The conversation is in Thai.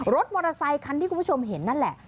มอเตอร์ไซคันที่คุณผู้ชมเห็นนั่นแหละ